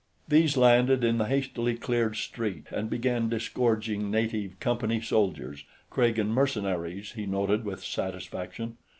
These landed in the hastily cleared street and began disgorging native Company soldiers Kragan mercenaries, he noted with satisfaction.